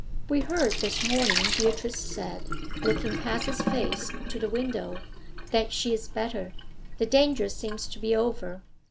'We heard this morning,' Beatrice said, looking past his face to the window, 'that she is better. The danger seems to be over.'